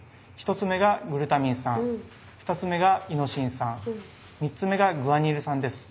１つ目がグルタミン酸２つ目がイノシン酸３つ目がグアニル酸です。